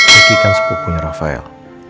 riki kan sepupunya rafael